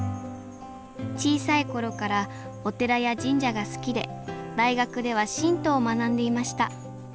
小さい頃からお寺や神社が好きで大学では神道を学んでいました。